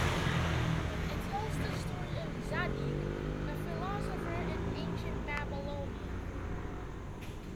It tells the story of Zadig, a philosopher in ancient Babylonia.